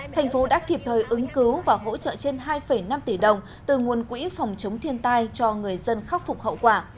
thành phố đã kịp thời ứng cứu và hỗ trợ trên hai năm tỷ đồng từ nguồn quỹ phòng chống thiên tai cho người dân khắc phục hậu quả